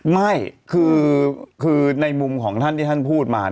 ไม่คือในมุมของท่านที่ท่านพูดมา